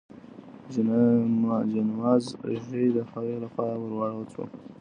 د جاینماز ژۍ د هغې لخوا ورواړول شوه.